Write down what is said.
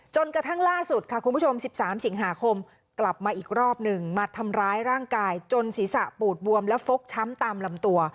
จนกระทั่งล่าสุดค่ะคุณผู้ชม๑๓สิงหาคมกลับมาอีกรอบหนึ่งมาทำร้ายร่างกายจนศีรษะปูดบวมและฟกช้ำตามลำตัว